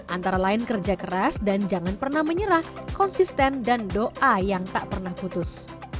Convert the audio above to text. antara lain kerja keras dan jangan pernah menyerah konsisten dan doa yang tak pernah putus